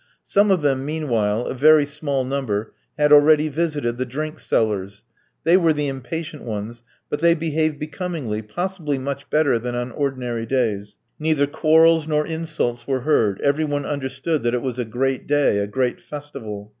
Some of them, meanwhile a very small number had already visited the drink sellers. They were the impatient ones, but they behaved becomingly, possibly much better than on ordinary days; neither quarrels nor insults were heard, every one understood that it was a great day, a great festival.